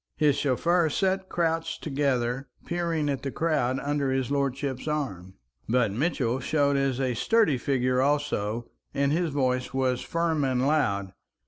His chauffeur sat crouched together, peering at the crowd under his lordship's arm. But Mitchell showed as a sturdy figure also, and his voice was firm and loud.